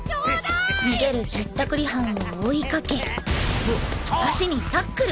逃げるひったくり犯を追いかけ足にタックル。